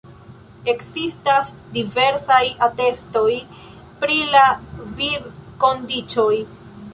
Ekzistas diversaj atestoj pri la vivkondiĉoj.